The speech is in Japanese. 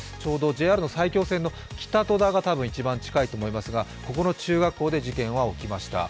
ＪＲの埼京線の北戸田が一番近いと思いますがここの中学校で事件が起きました。